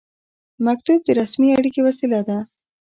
مکتوب د رسمي اړیکې وسیله ده